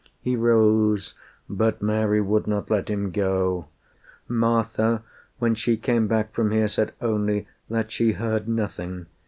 He rose, but Mary would not let him go: "Martha, when she came back from here, said only That she heard nothing.